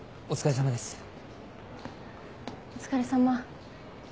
お疲れさま。